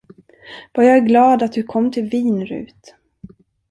Vad jag är glad, att du kom till Wien, Rut.